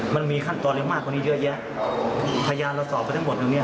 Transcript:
มันมีขั้นตอเลม่าคนที่เยอะแยะพยานเราสอบไปทั้งหมดตรงเนี้ย